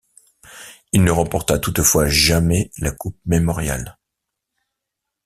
Il ne remporta toutefois jamais la Coupe Memorial.